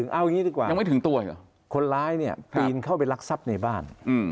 เอาอย่างนี้ดีกว่าคนร้ายเนี่ยปีนเข้าไปรักทรัพย์ในบ้าน